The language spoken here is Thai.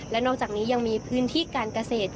และนอกจากนี้ยังมีพื้นที่การเกษตร